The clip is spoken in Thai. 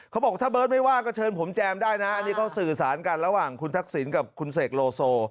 เขาบอกถ้าเบิร์ตไม่ว่าก็เชิญผมแจมได้นะอันนี้เขาสื่อสารกันระหว่างคุณทักษิณกับคุณเสกโลโซ